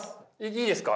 いいですか？